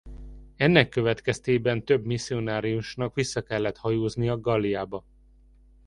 Ennek következtében több misszionáriusnak vissza kellett hajóznia Galliába.